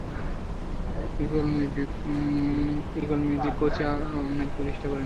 Eagle Music Kochi Ahmed প্রতিষ্ঠা করেন।